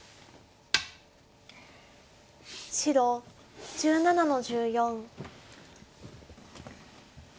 白１７の十四。